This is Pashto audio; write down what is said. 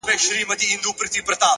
پوهه د تصمیمونو وزن درک کوي!.